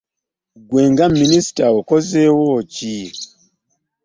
Ggwe nga minisita okozeewo ki?